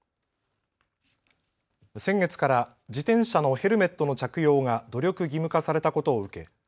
先月から自転車のヘルメットの着用が努力義務化されたことを受け